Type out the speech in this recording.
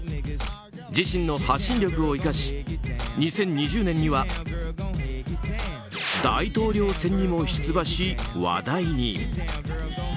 自身の発信力を生かし２０２０年には大統領選にも出馬し、話題に。